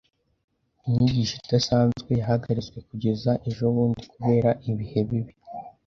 Inyigisho idasanzwe yahagaritswe kugeza ejobundi kubera ibihe bibi.